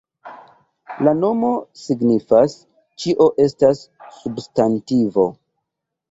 La nomo signifas "Ĉio estas substantivo".